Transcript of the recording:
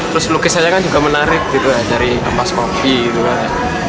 terus lukisannya kan juga menarik gitu ya dari tempat kopi gitu kan